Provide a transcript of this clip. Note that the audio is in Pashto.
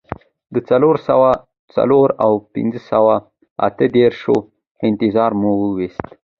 د څلور سوه څلور او پنځه سوه اته دیرشو انتظار مو وېست.